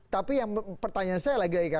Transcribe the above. tapi yang pertanyaan saya lagi eka